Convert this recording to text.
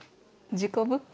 事故物件。